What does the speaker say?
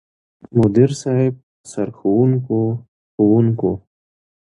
مدير صيب، سرښوونکو ،ښوونکو،